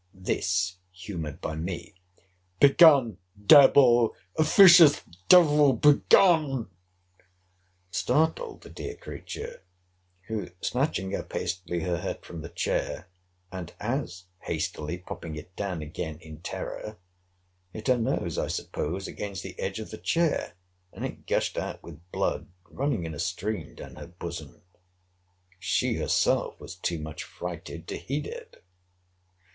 This, humoured by me, Begone, devil!—Officious devil, begone!—startled the dear creature: who, snatching up hastily her head from the chair, and as hastily popping it down again in terror, hit her nose, I suppose, against the edge of the chair; and it gushed out with blood, running in a stream down her bosom; she herself was too much frighted to heed it!